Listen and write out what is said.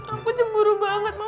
aku cemburu banget mama tau gak